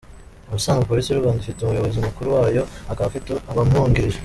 Ubusanzwe Polisi y’u Rwanda ifite Umuyobozi mukuru wayo akaba afite abamwungirije.